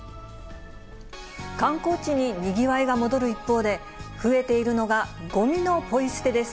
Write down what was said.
観光地ににぎわいが戻る一方で、増えているのが、ごみのポイ捨てです。